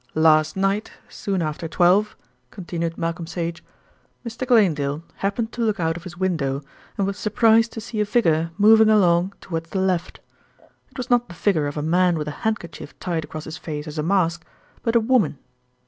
"Last night, soon after twelve," continued Malcolm Sage, "Mr. Glanedale happened to look out of his window and was surprised to see a figure moving along towards the left. It was not the figure of a man with a handkerchief tied across his face as a mask; but a woman.